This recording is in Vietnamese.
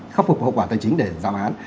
khắc phục hậu quả tài chính để dạo án